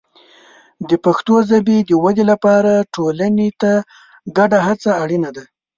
د پښتو ژبې د ودې لپاره ټولنې ته ګډه هڅه اړینه ده.